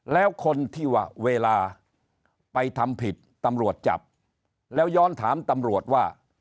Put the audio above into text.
แล้วคนที่ว่าเวลาไปทำผิดตำรวจจับแล้วย้อนถามตำรวจว่า